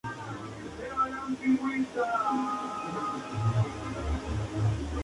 Tras su desaparición, ese mismo año fue puesto en marcha el "Diario de Teruel".